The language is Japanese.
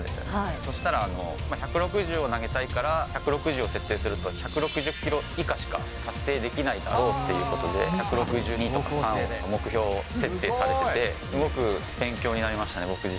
そしたら、１６０を投げたいから、１６０を設定すると、１６０キロ以下しか達成できないだろうということで、１６２とか３を目標設定されてて、すごく勉強になりましたね。